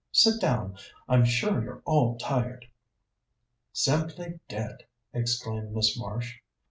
Sit down; I'm sure you're all tired." "Simply dead," exclaimed Miss Marsh.